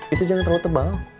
itu jangan terlalu tebal